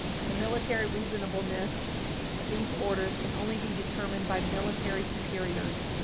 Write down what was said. The military reasonableness of these orders can only be determined by military superiors.